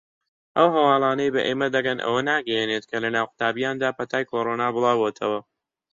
ئەو هەواڵانەی بە ئێمە دەگەن ئەوە ناگەیەنێت کە لەناو قوتابییاندا پەتای کۆرۆنا بڵاوبۆتەوە.